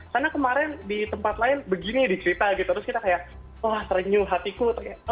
karena kemarin di tempat lain begini dicerita gitu terus kita kayak wah serenyu hatiku